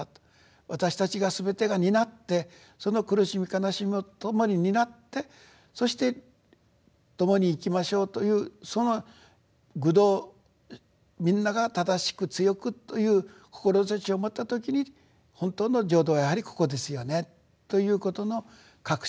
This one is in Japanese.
私たちがすべてが担ってその苦しみ悲しみも共に担ってそして共に生きましょうというその求道みんなが正しく強くという志を持った時に本当の浄土はやはりここですよねということの確信が得られるという。